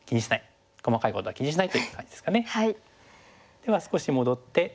では少し戻って。